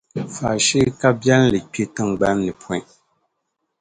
faashee kabiɛlli kpe tiŋgban’ ni pooi.